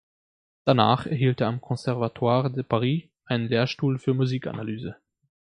Danach erhielt er am Conservatoire de Paris einen Lehrstuhl für Musikanalyse.